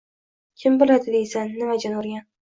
Kim biladi deysan, nima jin urgan